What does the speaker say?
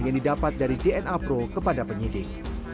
yang didapat dari dna pro kepada penyidik